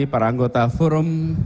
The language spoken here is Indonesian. para anggota forum